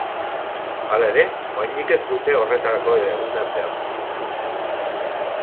Hala ere, oraindik ez dute horretarako eguna zehaztu.